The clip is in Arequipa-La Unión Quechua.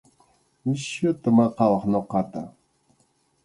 Nisyuta maqawaq ñuqata.